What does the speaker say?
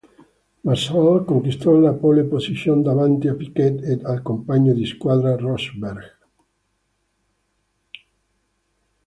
Mansell conquistò la pole position davanti a Piquet ed al compagno di squadra Rosberg.